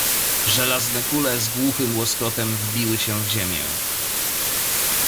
Żelazne kule z głuchym łoskotem wbiły się w ziemię.